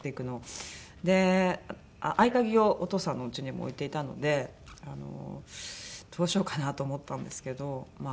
で合鍵をお義父さんのおうちにも置いていたのでどうしようかなと思ったんですけどまあ